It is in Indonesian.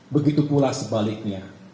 begitu pula sebaliknya